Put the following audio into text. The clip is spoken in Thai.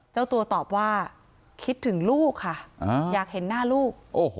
เจ้าตัวตอบว่าคิดถึงลูกค่ะอยากเห็นหน้าลูก